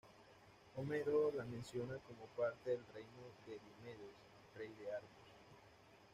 Homero la menciona como parte del reino de Diomedes, rey de Argos.